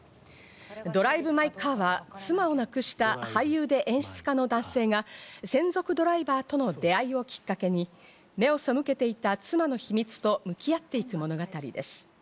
『ドライブ・マイ・カー』は妻を亡くした俳優で演出家の男性が専属ドライバーとの出会いをきっかけに、目を背けてきた妻の秘密と向き合っていく物語です。